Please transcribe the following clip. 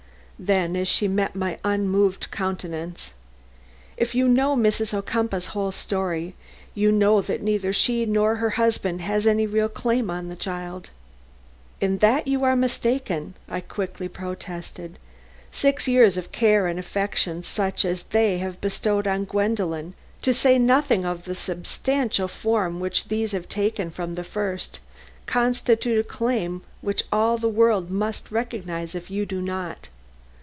Then as she met my unmoved countenance: "If you know Mrs. Ocumpaugh's whole history, you know that neither she nor her husband has any real claim on the child." "In that you are mistaken," I quickly protested. "Six years of care and affection such as they have bestowed on Gwendolen, to say nothing of the substantial form which these have taken from the first, constitute a claim which all the world must recognize, if you do not.